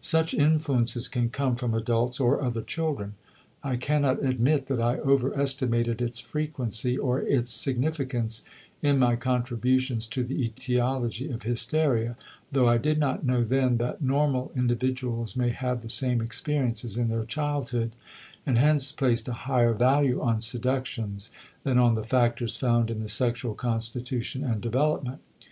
Such influences can come from adults or other children. I cannot admit that I overestimated its frequency or its significance in my contributions to the etiology of hysteria, though I did not know then that normal individuals may have the same experiences in their childhood, and hence placed a higher value on seductions than on the factors found in the sexual constitution and development.